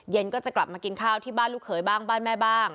ก็จะกลับมากินข้าวที่บ้านลูกเขยบ้างบ้านแม่บ้าง